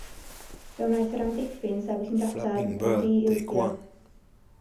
Fe wnaeth yr amddiffyn sefyll yn gadarn, yn ddi-ildio.